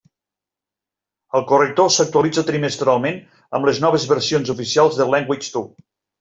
El corrector s'actualitza trimestralment amb les noves versions oficials de LanguageTool.